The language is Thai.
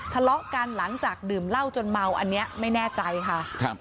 ทะเลาะกันหลังจากดื่มเหล้าจนเมาอันนี้ไม่แน่ใจค่ะครับ